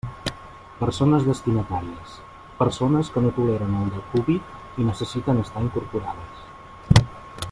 Persones destinatàries: persones que no toleren el decúbit i necessiten estar incorporades.